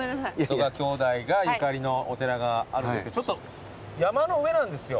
曽我兄弟がゆかりのお寺があるんですけどちょっと山の上なんですよ。